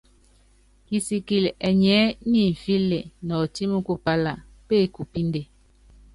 Kisikili ɛnyiɛ́ nimfíli nɔtími kupála, pékupínde.